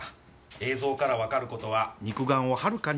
映像からわかる事は肉眼をはるかに上回ります。